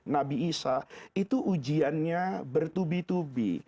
nabi isa itu ujiannya bertubi tubi